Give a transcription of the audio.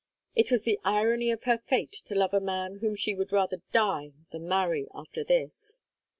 It was the irony of her fate to love a man whom she would rather die than marry, after this!